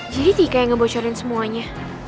jadi tika yang ngebocorin semuanya